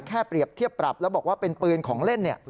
เปรียบเทียบปรับแล้วบอกว่าเป็นปืนของเล่น